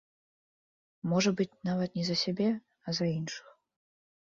Можа быць, нават не за сябе, а за іншых.